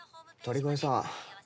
鳥越さん。